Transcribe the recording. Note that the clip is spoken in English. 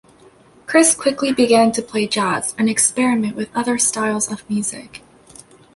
Chris quickly began to play jazz and experiment with other styles of music.